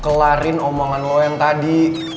kelarin omongan lo yang tadi